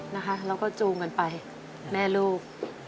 นะคะเราก็จูมกันไปแม่ลูก